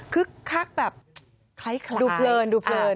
คือคลักแบบคล้ายดูเพลิน